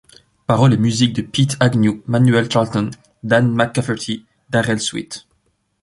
Paroles et musiques de Pete Agnew, Manuel Charlton, Dan McCafferty, Darrell Sweet.